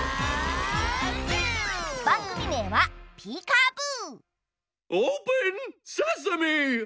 ばんぐみめいは「ピーカーブー！」。